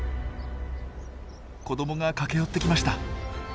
子どもが駆け寄ってきました。